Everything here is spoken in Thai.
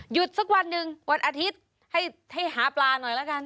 สักวันหนึ่งวันอาทิตย์ให้หาปลาหน่อยแล้วกัน